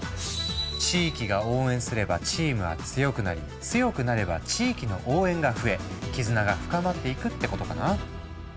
地域が応援すればチームは強くなり強くなれば地域の応援が増え絆が深まっていくってことかな。